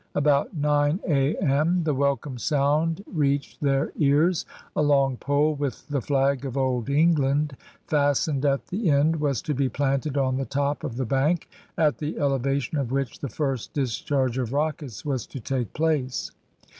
About nine AM, the welcome sound reached their ears, a long pole with the flag of Old England fastened at the end was to be planted on the top of the bank, at the elevation of which the first discharge of rockets was to take place.